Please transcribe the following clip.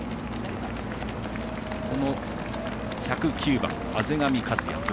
この１０９番、畔上和弥。